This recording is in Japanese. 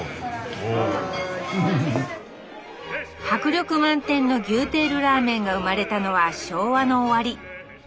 迫力満点の牛テールラーメンが生まれたのは昭和の終わり。